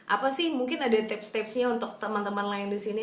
apa sih mungkin ada tips tips nya untuk teman teman lain disini